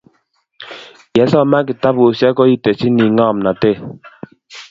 yesoman kitabusiek koiteshinii ngomnotee